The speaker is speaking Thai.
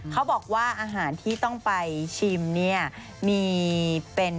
เขาบอกว่าอาหารที่ต้องไปชิมเนี่ยมีเป็น